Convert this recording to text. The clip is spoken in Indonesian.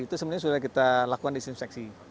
itu sebenarnya sudah kita lakukan disinfeksi